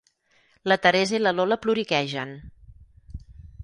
La Teresa i la Lola ploriquegen.